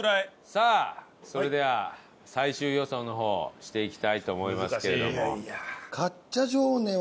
さあそれでは最終予想の方をしていきたいと思いますけれども。